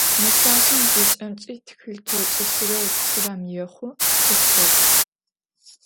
Meşbaş'em zeç'emç'i txılh t'oç'işıre pş'ırem yêxhu ıtxığ.